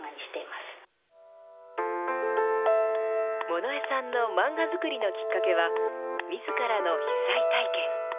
物江さんの漫画作りのきっかけは、みずからの被災体験。